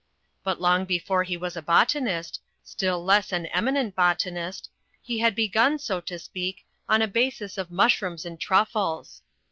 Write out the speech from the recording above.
But long before he was a botanist, still less an eminent botanist, he had begun, so to speak, on a basis of mush rooms and truffles.